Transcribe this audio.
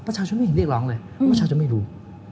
ประชาชนไม่เห็นเรียกร้องเลยประชาชนไม่รู้